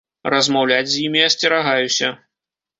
Размаўляць з імі асцерагаюся.